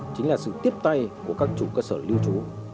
chính là sự tiếp tay của các chủ cơ sở lưu trú